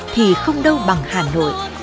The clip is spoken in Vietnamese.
thì không đâu bằng hà nội